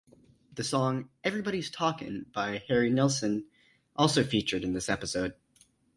The song "Everybody's Talkin'" by Harry Nilsson also featured in this episode.